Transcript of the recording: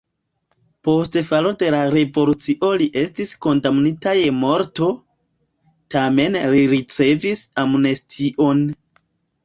Post falo de la revolucio li estis kondamnita je morto, tamen li ricevis amnestion.